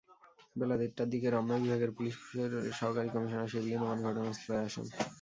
বেলা দেড়টার দিকে রমনা বিভাগের পুলিশের সহকারী কমিশনার শিবলী নোমান ঘটনাস্থলে আসেন।